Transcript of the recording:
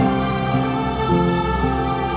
aku mau denger